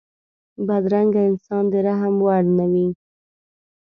بدرنګه انسان د رحم وړ نه وي